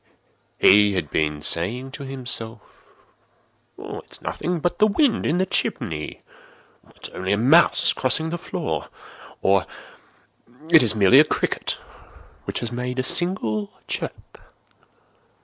He had been saying to himself—"It is nothing but the wind in the chimney—it is only a mouse crossing the floor," or "It is merely a cricket which has made a single chirp."